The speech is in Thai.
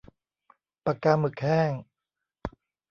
ปากกาหมึกแห้ง